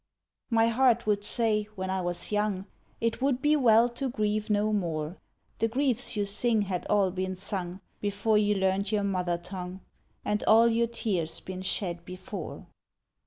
My heart would say, when I was young, "It would be well to grieve no more. The griefs you sing had all been sung Before you learned your mother tongue, And all your tears been shed before."